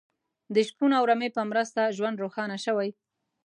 د شپون او رمې په مرسته ژوند روښانه شوی.